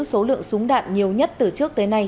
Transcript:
số lượng súng đạn nhiều nhất từ trước tới nay